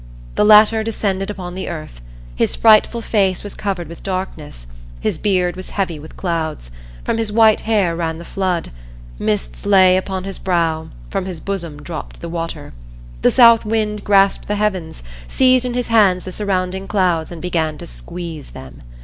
The latter descended upon the earth; his frightful face was covered with darkness; his beard was heavy with clouds; from his white hair ran the flood; mists lay upon his brow; from his bosom dropped the water. The South Wind grasped the heavens, seized in his hands the surrounding clouds and began to squeeze them.